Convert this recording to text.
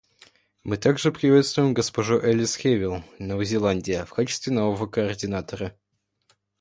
Мы также приветствуем госпожу Элис Ревел, Новая Зеландия, в качестве нового координатора.